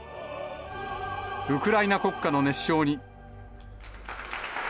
ウクライナ国歌の熱唱に。